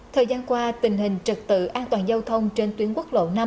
thời gian qua tình hình trật tự an toàn giao thông trên tuyến quốc lộ năm